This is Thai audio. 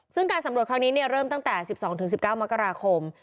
ซึ่งการสำรวจครั้งนี้เริ่มตั้งแต่๑๒๑๙มกราคม